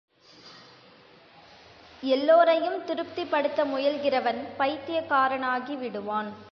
எல்லோரையும் திருப்திப்படுத்த முயல்கிறவன் பைத்தியக்காரனாகி விடுவான்.